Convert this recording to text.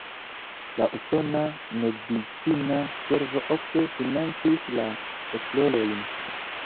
La usona medicina servo ofte financis la esplorojn.